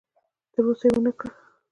تر اوسه یې ونه کړه.